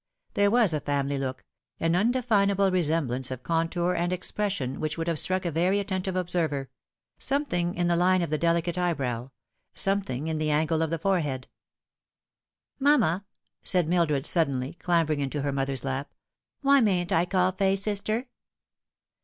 There was a family look, an tmdefinable resemblance of contour and expression which would have struck a very attentive observer something in the line of the delicate eyebrow, something in the angle of the forehead. All She could Retn&rribsr, $5 "Mamma," said Mildred suddenly, clambering into her mother's lap, " why mayn't I call Fay sister